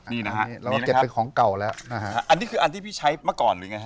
นี่นะฮะเราเก็บไปของเก่าแล้วนะฮะอันนี้คืออันที่พี่ใช้เมื่อก่อนหรือไงฮ